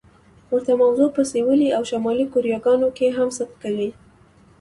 ورته موضوع په سویلي او شمالي کوریاګانو کې هم صدق کوي.